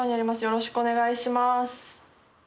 よろしくお願いします。